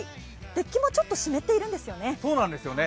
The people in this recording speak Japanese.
デッキもちょっと湿っているんですよね。